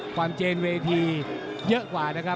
ความเจกษ์เวทีเยอะกว่านะครับ